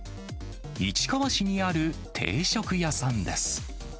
市川市にある定食屋さんです。